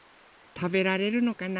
たべられるのかな。